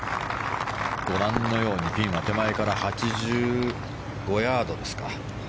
ご覧のようにピンは手前から８５ヤードですか。